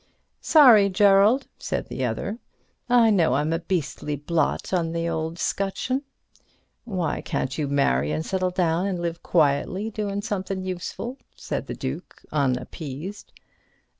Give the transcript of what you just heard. "Sorry, Gerald," said the other, "I know I'm a beastly blot on the 'scutcheon." "Why can't you marry and settle down and live quietly, doin' something useful?" said the Duke unappeased.